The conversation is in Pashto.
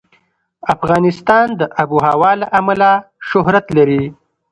افغانستان د آب وهوا له امله شهرت لري.